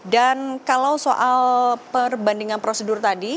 dan kalau soal perbandingan prosedur tadi